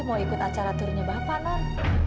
saya masih mau ikut acara ternyata bapak non